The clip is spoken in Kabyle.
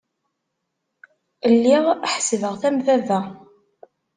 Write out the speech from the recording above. Lliɣ ḥesbeɣ-t am baba.